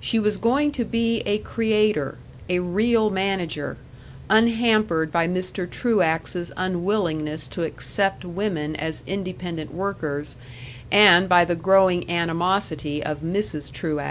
She was going to be a creator, a real manager, unhampered by Mr. Truax's unwillingness to accept women as independent workers and by the growing animosity of Mrs. Truax.